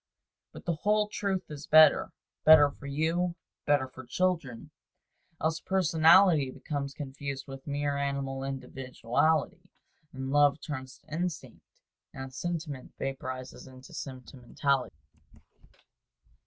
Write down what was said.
But the whole truth is better better for you, better for children else personality becomes confused with mere animal individuality, and love turns to instinct, and sentiment vaporizes into sentimentality.